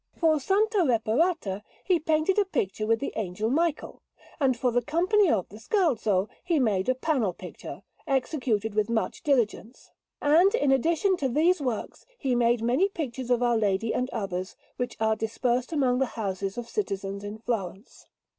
For S. Reparata he painted a picture with the Angel Michael, and for the Company of the Scalzo he made a panel picture, executed with much diligence. And, in addition to these works, he made many pictures of Our Lady and others, which are dispersed among the houses of citizens in Florence.